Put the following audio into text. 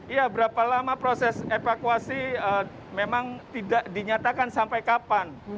iya berapa lama proses evakuasi memang tidak dinyatakan sampai kapan